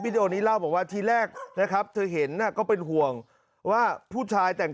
ดีโอนี้เล่าบอกว่าทีแรกนะครับเธอเห็นก็เป็นห่วงว่าผู้ชายแต่ง